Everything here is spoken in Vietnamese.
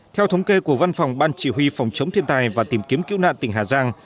theo thống kê của văn phòng ban chỉ huy phòng chống thiên tai và tìm kiếm cứu nạn tỉnh hà giang